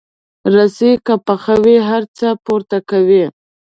رسۍ که پخه وي، هر څه پورته کوي.